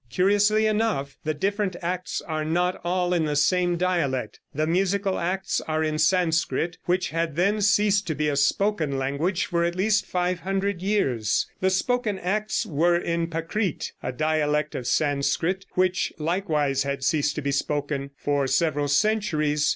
Curiously enough, the different acts are not all in the same dialect. The musical acts are in Sanskrit, which had then ceased to be a spoken language for at least 500 years; the spoken acts were in Pakrit, a dialect of Sanskrit, which likewise had ceased to be spoken for several centuries.